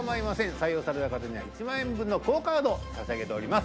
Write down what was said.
採用された方には１万円分のＱＵＯカードを差し上げております